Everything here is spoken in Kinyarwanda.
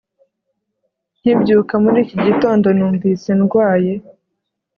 Nkibyuka muri iki gitondo numvise ndwaye